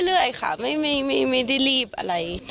เรื่อยค่ะไม่มีที่รีบอะไร